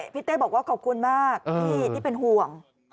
เต้บอกว่าขอบคุณมากที่เป็นห่วง